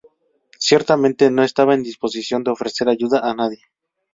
Ciertamente, no estaba en disposición de ofrecer ayuda a nadie.